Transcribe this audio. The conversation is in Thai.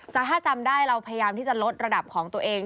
แต่ถ้าจำได้เราพยายามที่จะลดระดับของตัวเอง